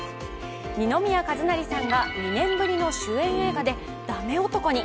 二宮和也さんが２年ぶりの主演映画でダメ男に。